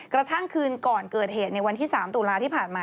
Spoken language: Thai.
กระทั่งคืนก่อนเกิดเหตุในวันที่๓ตุลาที่ผ่านมา